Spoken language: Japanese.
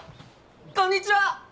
こんにちは！